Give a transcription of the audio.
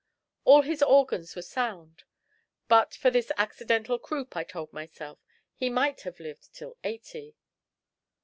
All his organs were sound. But for this accidental croup, I told myself, he might have lived till eighty.